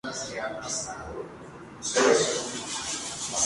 Ligeramente exótico, algo repetitivo, demasiado conocido tal vez.